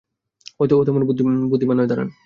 হয়তো ও তেমন বুদ্ধিমান নয়, দাঁড়ান।